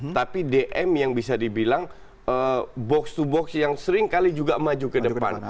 tapi dm yang bisa dibilang box to box yang seringkali juga maju ke depan